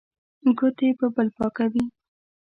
ګوتې په بل پاکوي.